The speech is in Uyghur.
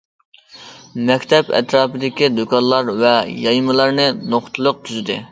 مەكتەپ ئەتراپىدىكى دۇكانلار ۋە يايمىلارنى نۇقتىلىق تۈزىدى.